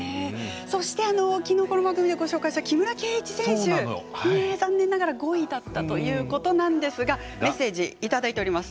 そして、きのうこの番組でご紹介した木村敬一選手、残念ながら５位だったということなんですがメッセージいただいております。